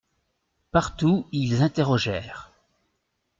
Partout ils interrogèrent.